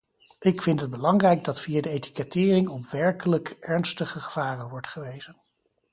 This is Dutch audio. Ik vind het belangrijk dat via de etikettering op werkelijk ernstige gevaren wordt gewezen.